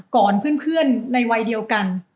ก่อนเพื่อนในวัยเดียวกัน